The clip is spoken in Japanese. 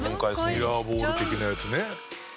ミラーボール的なやつね。